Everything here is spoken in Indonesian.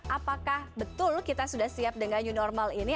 apakah betul kita sudah siap dengan new normal ini